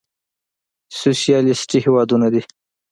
سوسيالېسټي هېوادونه دي.